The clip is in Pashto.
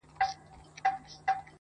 • قتلول یې یوله بله په زرګونه -